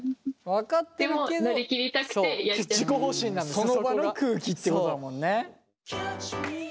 その場の空気ってことだもんね。